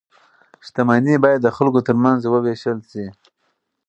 شتمني باید د خلکو ترمنځ وویشل شي.